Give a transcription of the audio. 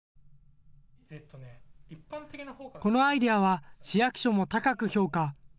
このアイデアは市役所も高く評価。